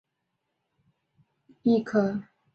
异鼷鹿科是一科已灭绝的偶蹄目。